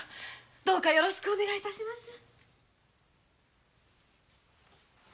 どうかよろしくお願い致します。